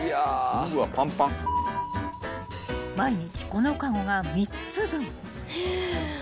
［毎日この籠が３つ分］